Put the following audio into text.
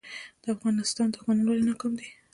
د افغانستان دښمنان ولې ناکام دي؟